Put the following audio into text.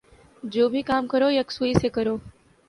جو بھی کام کرو یکسوئی سے کرو۔